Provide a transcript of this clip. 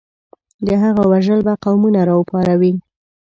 د هغه وژل به قومونه راوپاروي.